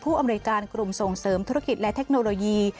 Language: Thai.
อำนวยการกลุ่มส่งเสริมธุรกิจและเทคโนโลยี